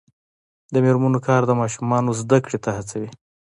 د میرمنو کار د ماشومانو زدکړې ته هڅوي.